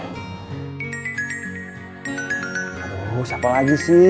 aduh siapa lagi sih